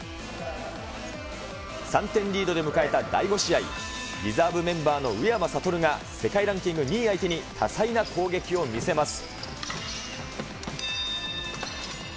３点リードで迎えた第５試合、リザーブメンバーの宇山賢が世界ランキング２位相手に多彩な攻撃を見せます。